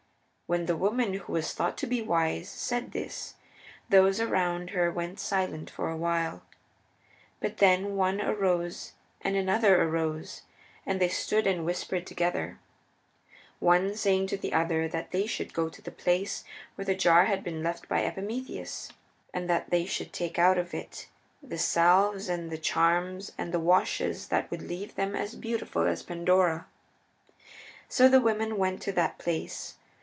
When the woman who was thought to be wise said this, those around her were silent for a while. But then one arose and another arose, and they stood and whispered together, one saying to the other that they should go to the place where the jar had been left by Epimetheus, and that they should take out of it the salves and the charms and the washes that would leave them as beautiful as Pandora. So the women went to that place.